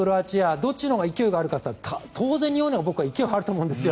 どっちのほうが勢いがあるかといったら当然日本のほうが僕は勢いがあると思うんです。